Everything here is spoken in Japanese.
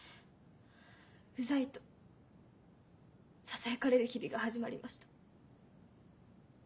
「ウザい」とささやかれる日々が始まりました。